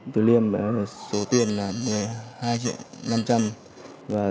từ liêm số tiền là một mươi hai triệu năm trăm linh